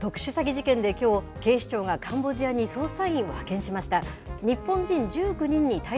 特殊詐欺事件できょう、警視庁がカンボジアに捜査員を派遣しました。